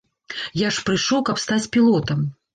Я ж прыйшоў, каб стаць пілотам!